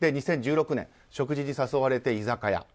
２０１６年食事に誘われて居酒屋。